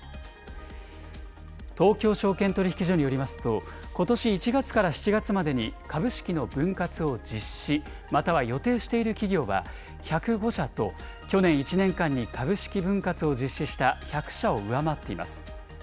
東京証券取引所によりますと、ことし１月から７月までに株式の分割を実施、または予定している企業は１０５社と、去年１年間に株式分割を実施した１００社を上回っています。